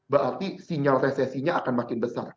berarti sinyal resesinya akan makin besar